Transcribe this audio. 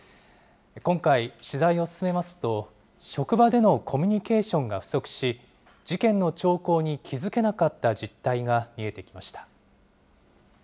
今回、取材を進めますと、職場でのコミュニケーションが不足し、事件の兆候に気付けなかった実態が見えてきました。